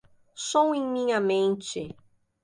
Som em minha mente